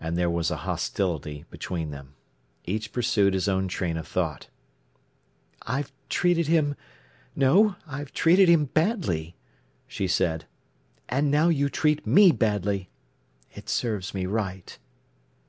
And there was a hostility between them. Each pursued his own train of thought. "I've treated him—no, I've treated him badly," she said. "And now you treat me badly. It serves me right."